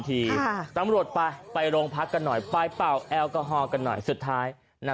ตำรวจไปงั้นก่อนไปโรงพักกันสุดท้าย